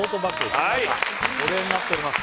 中保冷になっております